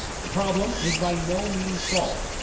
The problem is by no means solved.